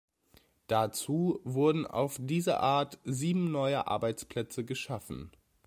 Dazu wurden auf diese Art sieben neue Arbeitsplätze geschaffen.